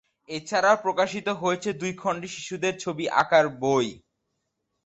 এছাড়াও প্রকাশিত হয়েছে দুই খণ্ডের শিশুদের ছবি আঁকার বই।